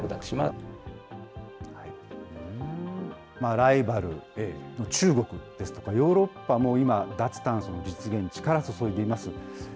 ライバルの中国ですとか、ヨーロッパも今、脱炭素の実現に力を注いでいます。